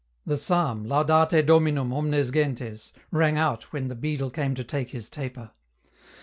The psalm " Laudate Dominum, omnes gentes," rang out when the beadle came to take his taper.